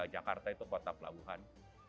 jakarta itu kota pelabuhan